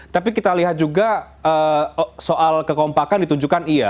tapi kita lihat juga soal kekompakan ditunjukkan iya